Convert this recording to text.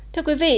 thưa quý vị